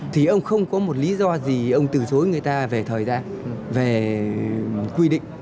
thì ông không có một lý do gì ông từ chối người ta về thời gian về quy định